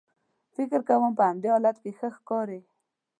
فکر کوم په همدې حالت کې ښه ښکارې.